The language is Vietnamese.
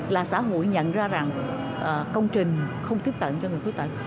là xã hội nhận ra rằng công trình không tiếp cận cho người khuyết tật